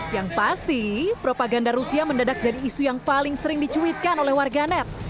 yang pasti propaganda rusia mendadak jadi isu yang paling sering dicuitkan oleh warganet